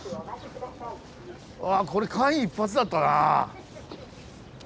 うわこれ間一髪だったな。